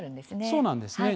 そうなんですね。